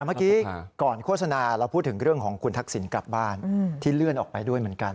เมื่อกี้ก่อนโฆษณาเราพูดถึงเรื่องของคุณทักษิณกลับบ้านที่เลื่อนออกไปด้วยเหมือนกัน